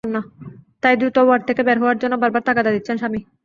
তাই দ্রুত ওয়ার্ড থেকে বের হওয়ার জন্য বারবার তাগাদা দিচ্ছেন স্বামী।